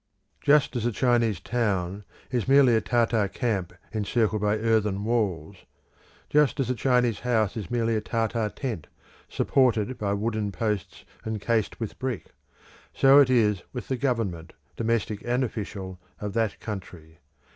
Just as a Chinese town is merely a Tartar camp encircled by earthen walls; just as a Chinese house is merely a Tartar tent, supported by wooden posts and cased with brick, so it is with the government, domestic and official, of that country.